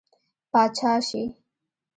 پاچا شي.